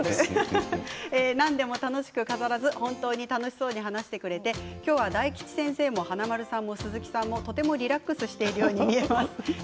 何でも楽しく飾らず本当に楽しそうに話してくれて今日は大吉先生も華丸さんも鈴木さんも、とてもリラックスしているように見えます。